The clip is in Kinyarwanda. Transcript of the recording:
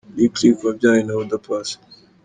Lick Lick wabyaranye na Oda Paccy.